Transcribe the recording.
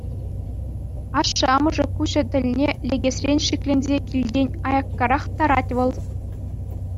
Ашшӗ-амӑшӗ куҫӗ тӗлне лекесрен шикленсе килтен аяккарах тарать вӑл.